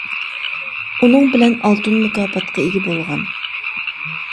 ئۇنىڭ بىلەن ئالتۇن مۇكاپاتقا ئىگە بولغان.